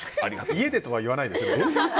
家でとは言わないですよね。